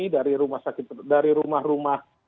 dari rumah sakit dari rumah rumah